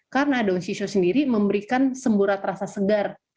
karena daun shisho sendiri memberikan semburat rasa segar